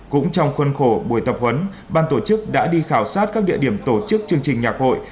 cũng trong khuôn khổ buổi tập huấn ban tổ chức đã đi khảo sát các địa điểm tổ chức chương trình nhạc hội